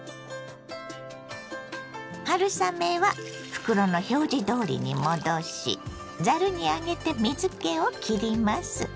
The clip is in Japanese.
春雨は袋の表示どおりに戻しざるに上げて水けをきります。